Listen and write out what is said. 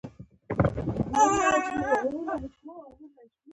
ازادي راډیو د امنیت د راتلونکې په اړه وړاندوینې کړې.